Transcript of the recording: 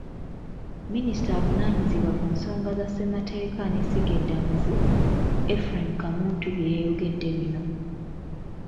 Minisita avunaanyizibwa ku nsonga za ssemateeka n'essiga eddamuzi, Ephraim Kamuntu yeyayogedde bino.